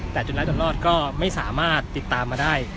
แต่จุดร้ายจนรอดก็ไม่สามารถติดตามมาได้